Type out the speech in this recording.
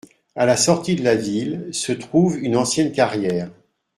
À la sortie de la ville se trouve une ancienne carrière